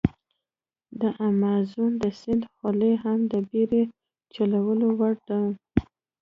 د امازون د سیند خوله هم د بېړی چلولو وړ ده.